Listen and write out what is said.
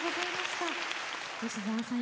吉沢さん